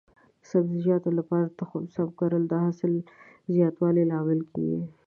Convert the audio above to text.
د سبزیجاتو لپاره د تخم سم انتخاب د حاصل زیاتوالي لامل کېږي.